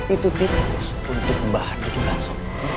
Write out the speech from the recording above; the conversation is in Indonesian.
itu tikus untuk bahan bakso